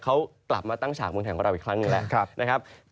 เขากลับมาตั้งฉากเมืองไทยของเราอีกครั้งหนึ่งแล้วนะครับ